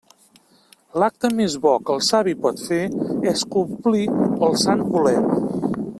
L'acte més bo que el savi pot fer és complir el sant voler.